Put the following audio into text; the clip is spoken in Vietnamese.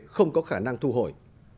không có khả năng thu hồi